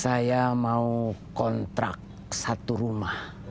saya mau kontrak satu rumah